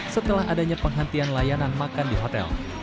setelah adanya penghentian layanan makan di hotel